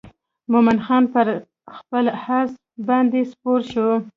مومن خان پر خپل آس باندې سپور شو.